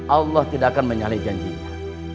allah tidak akan menyalai janjinya